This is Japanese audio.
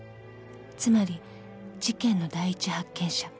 ［つまり事件の第一発見者］